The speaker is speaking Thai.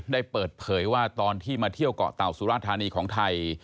ได้เปิดเผยว่าตอนที่มาเที่ยวเกาะเต่าสุราธานีของไทย